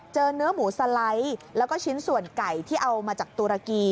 เนื้อหมูสไลด์แล้วก็ชิ้นส่วนไก่ที่เอามาจากตุรกี